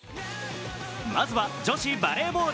まずは、女子バレーボール。